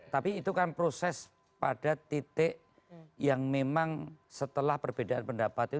tapi itu kan proses pada titik yang memang setelah perbedaan pendapat itu